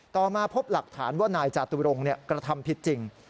มาพบหลักฐานว่านายจาตุรงกระทำผิดจริง